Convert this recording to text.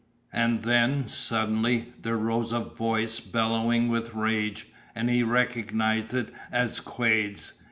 And then, suddenly, there rose a voice bellowing with rage, and he recognized it as Quade's.